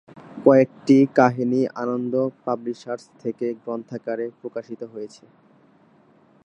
কয়েকটি কাহিনী আনন্দ পাবলিশার্স থেকে গ্রন্থাকারে প্রকাশিত হয়েছে।